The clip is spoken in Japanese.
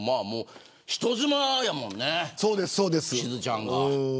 人妻やもんね、しずちゃんが。